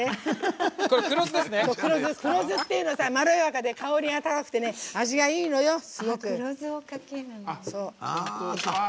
黒酢っていうのはなめらかで香りが高くて味がいいのよ、すごく。